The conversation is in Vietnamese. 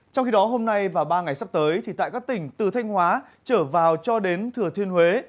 trong khi đó hôm nay và ba ngày sắp tới tại các tỉnh từ thanh hóa trở vào cho đến thừa thiên huế